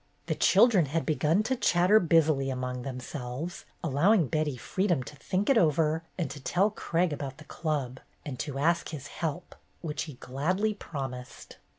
The children had begun to chatter busily among themselves, allowing Betty freedom to think it over and to tell Craig about the Club, and to ask his help, which he gladly promised.